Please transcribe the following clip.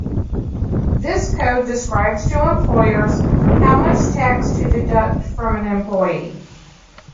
This code describes to employers how much tax to deduct from an employee.